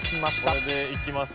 これでいきます。